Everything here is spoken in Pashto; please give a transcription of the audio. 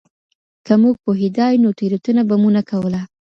که موږ پوهیدای نو تېروتنه به مو نه کوله.